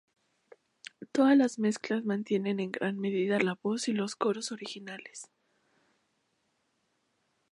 Todas las mezclas mantienen en gran medida la voz y los coros originales.